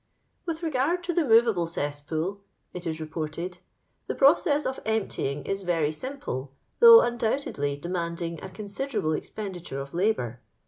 With regard to the morahle oes8po61," it is reported, the process of emptying is rwf simple, though undonbtedlT demanding a con sidmble expenditure of labour.